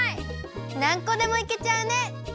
なんこでもいけちゃうね！